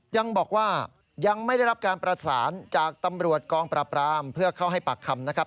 ยังบอกว่ายังไม่ได้รับการประสานจากตำรวจกองปราบรามเพื่อเข้าให้ปากคำนะครับ